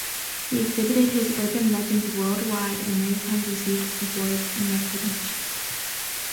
He exhibited his urban legends worldwide and many times received awards and recognition.